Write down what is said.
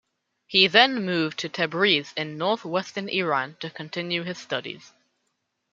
He then moved to Tabriz in north-western Iran to continue his studies.